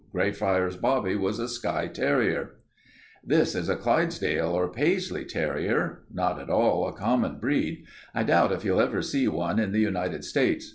Greyfriars Bobby was a Skye terrier. "This is the Clydesdale or Paisley terrier. Not at all a common breed. I doubt if you'll ever see one in the United States.